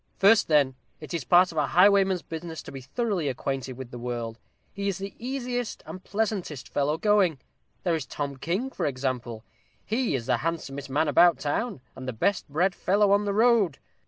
First, then, it is part of a highwayman's business to be thoroughly acquainted with the world. He is the easiest and pleasantest fellow going. There is Tom King, for example: he is the handsomest man about town, and the best bred fellow on the road.